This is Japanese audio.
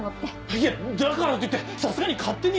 いやだからといってさすがに勝手に。